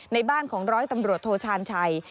ในบ้านของร้อยตำรวจโทชาญชัย